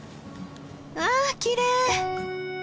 わあきれい！